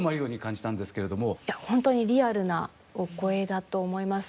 本当にリアルなお声だと思いますね。